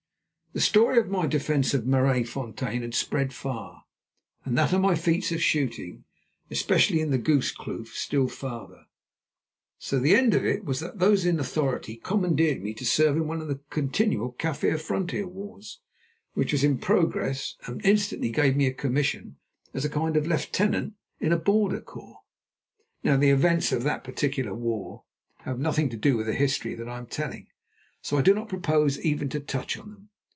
The story of my defence of Maraisfontein had spread far, and that of my feats of shooting, especially in the Goose Kloof, still farther. So the end of it was that those in authority commandeered me to serve in one of the continual Kaffir frontier wars which was in progress, and instantly gave me a commission as a kind of lieutenant in a border corps. Now the events of that particular war have nothing to do with the history that I am telling, so I do not propose even to touch on them.